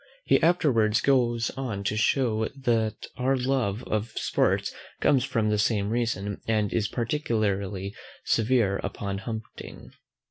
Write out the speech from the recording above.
He afterwards goes on to shew that our love of sports comes from the same reason, and is particularly severe upon hunting.